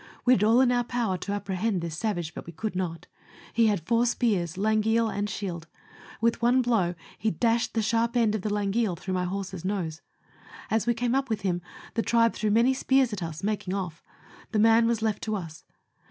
We did all in our power to apprehend this savage, but we could not ; he had four spears, langeel, and shield ; with one blow he dashed the sharp end of the langeel through my horse's nose ; as we came up with him, the tribe threw many spears at us, making off ; the man was left to us.